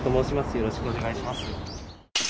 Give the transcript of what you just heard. よろしくお願いします。